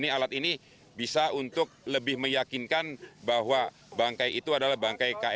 alat ini bisa untuk lebih meyakinkan bahwa bangkai itu adalah bangkai km sinar bangun lima